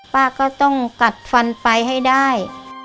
ป้าก็ต้องกัดฟันไปให้ได้